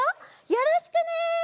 よろしくね！